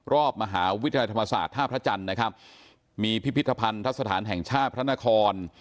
รอบมหาวิทยาลัยธรรมศาสตร์ท่าพระจันทร์นะครับมีพิพิธภัณฑสถานแห่งชาติพระนคร